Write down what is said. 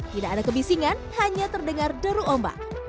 tidak ada kebisingan hanya terdengar deru ombak